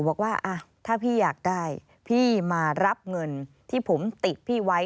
บอกว่าถ้าพี่อยากได้พี่มารับเงินที่ผมติดพี่ไว้